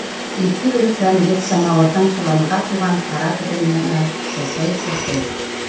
Ике өлкән еҙ самауырҙың соланға тулған ҡара төтөнөнә сәсәй-сәсәй: